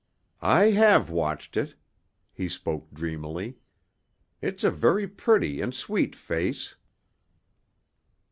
"I have watched it." He spoke dreamily. "It's a very pretty and sweet face."